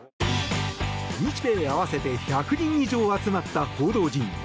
日米合わせて１００人以上集まった報道陣。